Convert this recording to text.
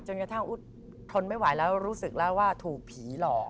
กระทั่งอุ๊ดทนไม่ไหวแล้วรู้สึกแล้วว่าถูกผีหลอก